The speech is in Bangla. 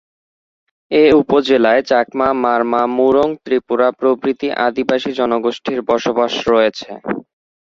এ উপজেলায় চাকমা, মারমা, মুরং, ত্রিপুরা প্রভৃতি আদিবাসী জনগোষ্ঠীর বসবাস রয়েছে।